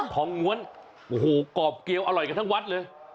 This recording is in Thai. ง้วนโอ้โหกรอบเกียวอร่อยกันทั้งวัดเลย